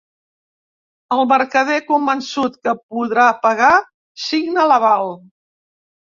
El mercader, convençut que podrà pagar, signa l’aval.